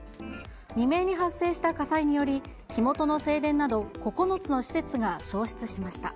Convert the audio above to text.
未明に発生した火災により、火元の正殿など、９つの施設が焼失しました。